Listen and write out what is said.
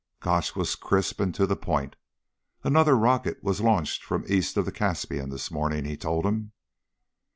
Gotch was crisp and to the point. "Another rocket was launched from east of the Caspian this morning," he told him.